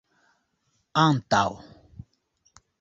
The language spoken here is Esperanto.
antaŭ